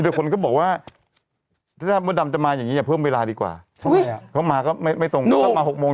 ด้วยก็บอกว่าจะมาอย่างนี้เพิ่มเวลาดีกว่าเขามาก็ไม่ตรงมา๖โมง